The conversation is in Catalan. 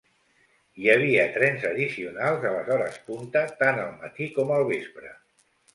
Hi havia trens addicionals a les hores punta, tant al matí com al vespre.